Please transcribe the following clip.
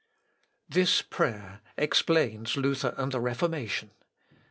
] This prayer explains Luther and the Reformation.